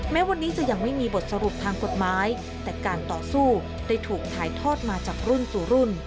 แม้วันนี้จะยังไม่มีบทสรุปทางกฎหมายแต่การต่อสู้ได้ถูกถ่ายทอดมาจากรุ่นสู่รุ่น